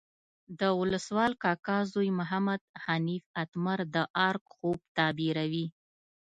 د ولسوال کاکا زوی محمد حنیف اتمر د ارګ خوب تعبیروي.